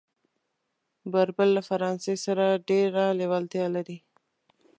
بربر له فرانسې سره ډېره لېوالتیا لري.